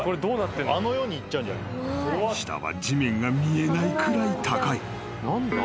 ［下は地面が見えないくらい高い］